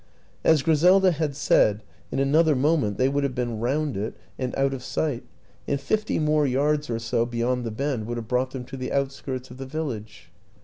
As Griselda had said, in an other moment they would have been round it and 60 WILLIAM AN ENGLISHMAN out of sight, and fifty more yarus or so beyond the bend would have brought them to the outskirts of the village.